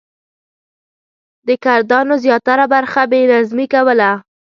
د کردانو زیاتره برخه بې نظمي کوله.